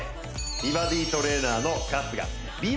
美バディトレーナーの春日美